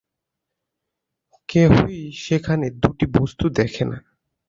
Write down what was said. কেহই সেখানে দুইটি বস্তু দেখে না।